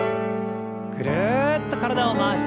ぐるっと体を回して。